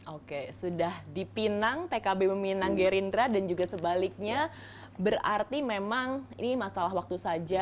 oke sudah dipinang pkb meminang gerindra dan juga sebaliknya berarti memang ini masalah waktu saja